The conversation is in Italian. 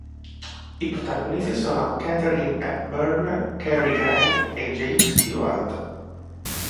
I protagonisti sono Katharine Hepburn, Cary Grant e James Stewart.